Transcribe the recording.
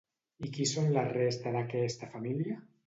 I qui són la resta d'aquesta família?